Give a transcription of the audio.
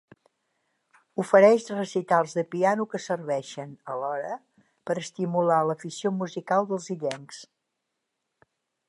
Ofereix recitals de piano que serveixen, alhora, per estimular l'afició musical dels illencs.